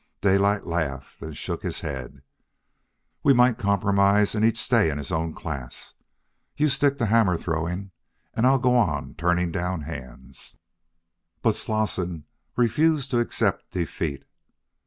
Daylight laughed and shook his head. "We might compromise, and each stay in his own class. You stick to hammer throwing, and I'll go on turning down hands." But Slosson refused to accept defeat.